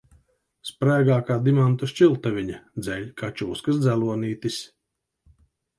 Sprēgā kā dimanta šķiltaviņa, dzeļ kā čūskas dzelonītis.